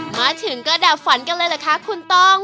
มาถึงก็ดับฝันกันเลยเหรอคะคุณต้อง